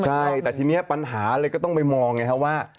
ใช่แต่ทีนี้ปัญหาเลยก็ต้องไปมองไงครับว่า